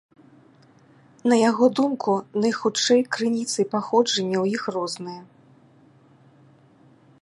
На яго думку, найхутчэй крыніцы паходжання ў іх розныя.